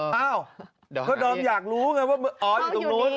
เพราะดอมอยากรู้ไงว่าอ๋ออยู่ตรงนู้น